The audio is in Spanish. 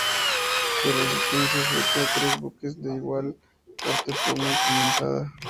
Su resistencia frente a tres buques de igual porte fue muy comentada.